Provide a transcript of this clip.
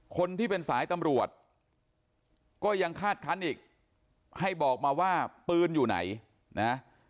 คนที่เป็นสายตำรวจก็ยังคาดคันอีกให้บอกมาว่าปืนอยู่ไหนนะ